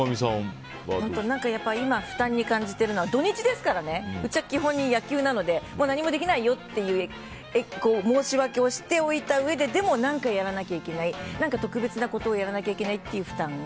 今負担に感じてるのは土日ですからねうちは基本、野球なので何もできないよと申し訳をしておいた上ででも、何かやらなきゃいけない特別なことをやらなきゃいけないっていう負担。